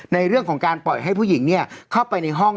ในเรื่องของการปล่อยให้ผู้หญิงเข้าไปในห้อง